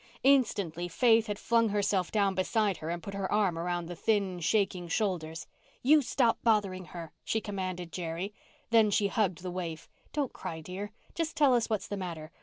Instantly Faith had flung herself down beside her and put her arm around the thin, shaking shoulders. "You stop bothering her," she commanded Jerry. Then she hugged the waif. "Don't cry, dear. Just tell us what's the matter.